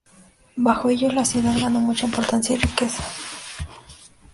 Bajo ellos, la ciudad ganó mucha importancia y riqueza.